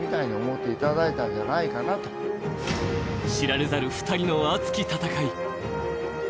知られざる２人の熱き戦い。